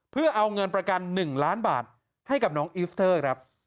เพื่อเอาเงินประกัน๑ล้านบาทให้กับน้องอิสเตอร์ครับ